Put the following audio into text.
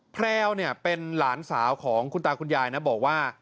แพรวเป็นหลานสาวของคุณตาคุณยายนะบอกว่า